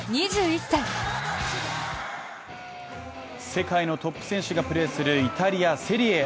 世界のトップ選手がプレーするイタリア・セリエＡ。